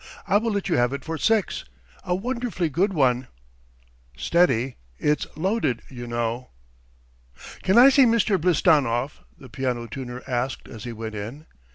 I will let you have it for six. ... A wonderfully good one!" "Steady. ... It's loaded, you know!" "Can I see Mr. Blistanov?" the piano tuner asked as he went in.